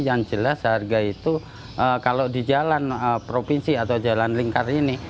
yang jelas harga itu kalau di jalan provinsi atau jalan lingkar ini